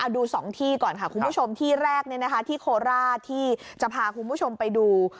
ดู๒ที่ก่อนค่ะคุณผู้ชมที่แรกที่โคราชที่จะพาคุณผู้ชมไปดู